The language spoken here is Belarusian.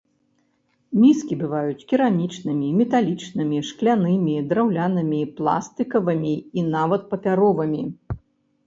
Міскі бываюць керамічнымі, металічнымі, шклянымі, драўлянымі, пластыкавымі і нават папяровымі.